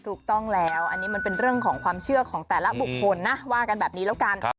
ถูกต้องแล้วอันนี้มันเป็นเรื่องของความเชื่อของแต่ละบุคคลนะว่ากันแบบนี้แล้วกัน